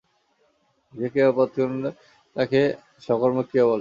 যে ক্রিয়া কর্মপদযুক্ত তাকে সকর্মক ক্রিয়া বলে।